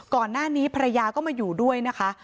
ก่อนหน้านี้ภรรยาก็มาอยู่ด้วยนะคะ